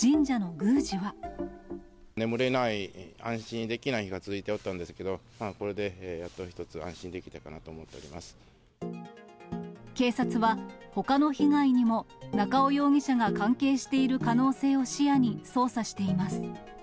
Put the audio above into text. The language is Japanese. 眠れない、安心できない日が続いておったんですけど、これでやっと一つ、警察は、ほかの被害にも中尾容疑者が関係している可能性を視野に捜査しています。